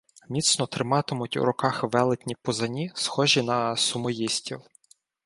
Міцно триматимуть у руках велетні-пузані, схожі на «сумоїстів»